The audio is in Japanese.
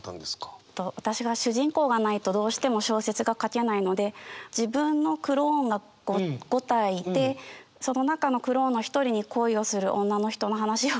私が主人公がないとどうしても小説が書けないので自分のクローンが５体いてその中のクローンの１人に恋をする女の人の話を書いたことがあって。